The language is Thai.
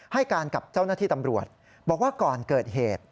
ให้การกับเจ้าหน้าที่ตำรวจบอกว่าก่อนเกิดเหตุ